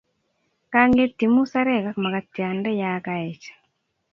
Kang'etyi musarek ak makatiande ya kaech